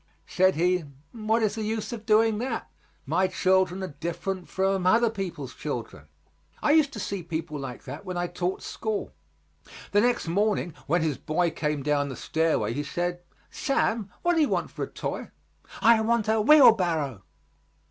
Said he, "What is the use of doing that? My children are different from other people's children." I used to see people like that when I taught school. The next morning when his boy came down the stairway, he said, "Sam, what do you want for a toy?" "I want a wheelbarrow."